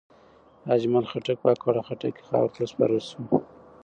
اجمل خټک په اکوړه خټک کې خاورو ته وسپارل شو.